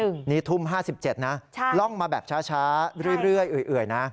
นี่ทุ่มห้าสิบเจ็ดนะล่องมาแบบช้าเรื่อยเอ่ยนะ